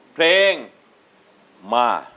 เพลงมา